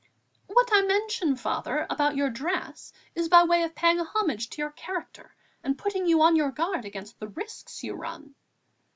"What I mention, Father, about your dress is by way of paying homage to your character and putting you on your guard against the risks you run."